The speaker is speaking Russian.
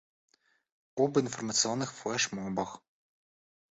Об информационных флешмобах.